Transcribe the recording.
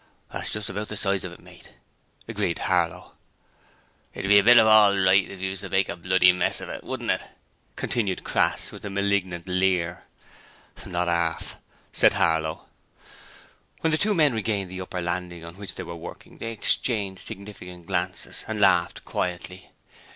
'That's just about the size of it, mate,' agreed Harlow. 'It would be a bit of all right if 'e was to make a bloody mess of it, wouldn't it?' Crass continued with a malignant leer. 'Not arf!' said Harlow. When the two men regained the upper landing on which they were working they exchanged significant glances and laughed quietly.